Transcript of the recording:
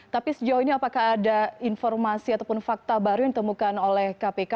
tapi sejauh ini apakah ada informasi ataupun fakta baru yang ditemukan oleh kpk